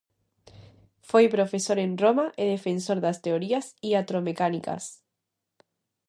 Foi profesor en Roma e defensor das teorías iatromecánicas.